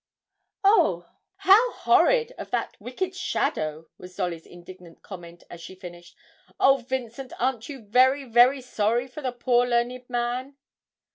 'How horrid of that wicked Shadow!' was Dolly's indignant comment as she finished; 'oh, Vincent, aren't you very, very sorry for the poor learned man?'